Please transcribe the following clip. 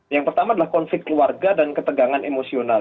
yang pertama adalah konflik keluarga dan ketegangan emosional